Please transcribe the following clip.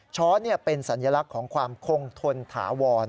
ช้อนเป็นสัญลักษณ์ของความคงทนถาวร